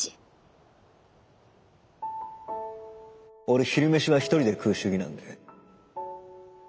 俺昼飯は一人で食う主義なんで。